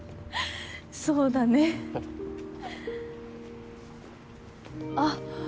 そうだねあっ